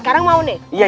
sekarang mau nih